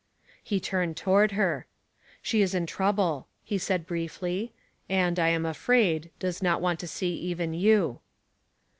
He turned toward her. " She is in trouble," he said, briefly ;" and, I am afraid, does not want to see even you."